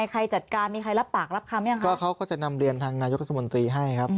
ใครจัดการมีใครรับปากรับคำยังคะก็เขาก็จะนำเรียนทางนายกรัฐมนตรีให้ครับ